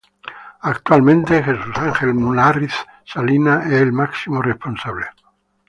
Actualmente Jesús Ángel Munárriz Salinas es el máximo responsable.